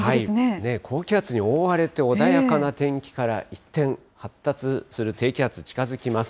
高気圧に覆われて穏やかな天気から一転、発達する低気圧近づきます。